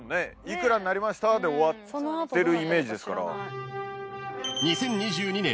幾らになりましたで終わってるイメージですから。